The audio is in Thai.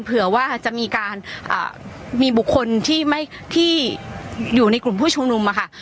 เผื่อว่าจะมีการมีบุคคลที่อยู่ในกลุ่มผู้ชุมนุมค่ะ